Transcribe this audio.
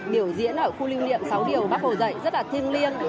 biểu diễn ở khu lưu niệm sáu điều bác hồ dạy rất là thiêng liêng